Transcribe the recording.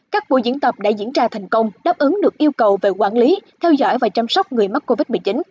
các buổi diễn tập đã diễn ra thành công đáp ứng được yêu cầu về quản lý theo dõi và chăm sóc người mắc covid một mươi chín